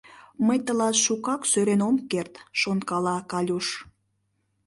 «Мый тылат шукак сӧрен ом керт, — шонкала Калюш.